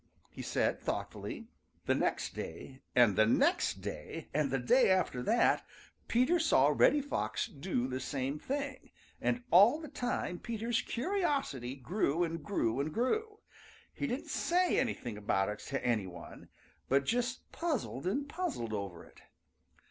he said, thoughtfully. The next day and the next day and the day after that, Peter saw Reddy Fox do the same thing, and all the time Peter's curiosity grew and grew and grew. He didn't say anything about it to any one, but just puzzled and puzzled over it.